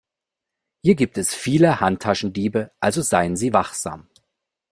Hier gibt es viele Handtaschendiebe, also seien Sie wachsam.